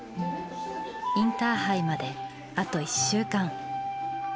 インターハイまであと１週間。